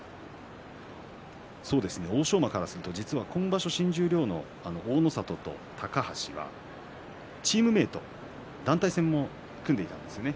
欧勝馬からすると実は今場所新十両の大の里と高橋がチームメート団体戦も組んでいたんですね。